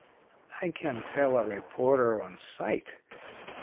I can tell a reporter on sight.